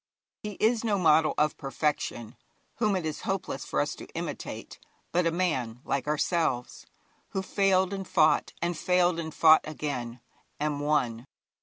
He is no model of perfection whom it is hopeless for us to imitate, but a man like ourselves, who failed and fought, and failed and fought again, and won.